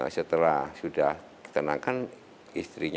setelah sudah tenangkan istrinya